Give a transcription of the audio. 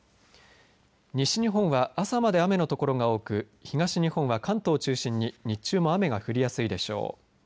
西日本は朝まで雨の所が多く東日本は関東を中心に日中も雨が降りやすいでしょう。